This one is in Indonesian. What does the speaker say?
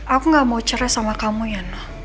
aku ga mau cerai sama kamu ya